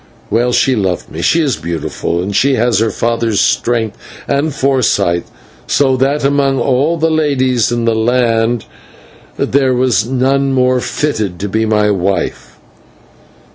Well, she loved me, she is beautiful, and she has her father's strength and foresight, so that among all the ladies in the land there was none more fitted to be my wife."